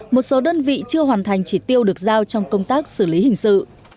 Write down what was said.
một số đơn vị chưa hoàn thành chỉ tiêu được giao trong công tác xử lý hình sự